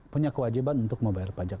punya kewajiban untuk membayar pajak